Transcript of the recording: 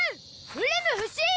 オラも欲しい！